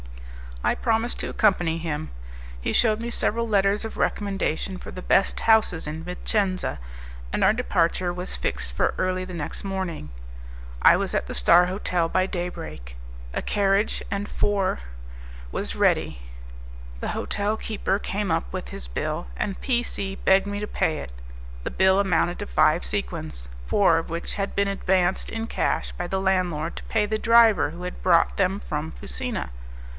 I promised to accompany him. He shewed me several letters of recommendation for the best houses in Vicenza, and our departure was fixed for early the next morning. I was at the "Star Hotel" by daybreak. A carriage and four was ready; the hotel keeper came up with his bill, and P C begged me to pay it. The bill amounted to five sequins; four of which had been advanced in cash by the landlord to pay the driver who had brought them from Fusina.